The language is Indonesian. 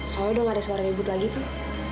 soalnya udah gak ada suara ribut lagi tuh